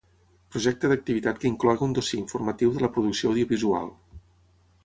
Projecte d'activitat que inclogui un dossier informatiu de la producció audiovisual.